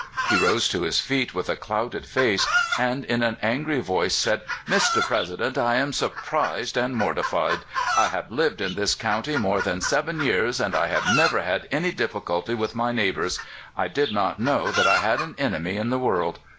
He rose to his feet with a clouded face, and in an angr}^ voice said: "Mr. President, I am surprised and mortified. I have lived in this county more than seven years, and I have never had any difficulty with my neighbors. I did not know that I had an enemy in the world.